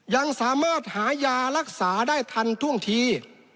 ยังสามารถหายารักษาได้ทันท่วงที